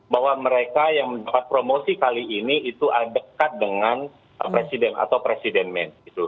bahwa mereka yang mendapat promosi kali ini itu dekat dengan presiden atau presiden men